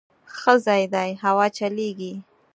_ښه ځای دی، هوا چلېږي.